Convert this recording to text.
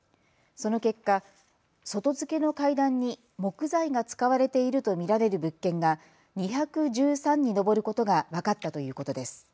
その結果、外付けの階段に木材が使われていると見られる物件が２１３に上ることが分かったということです。